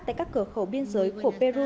tại các cửa khẩu biên giới của peru